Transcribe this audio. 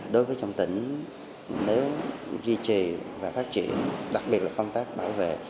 đối với trong tỉnh nếu duy trì và phát triển đặc biệt là công tác bảo vệ